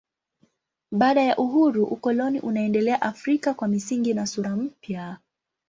Baada ya uhuru ukoloni unaendelea Afrika kwa misingi na sura mpya.